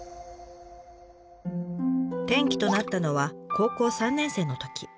転機となったのは高校３年生のとき。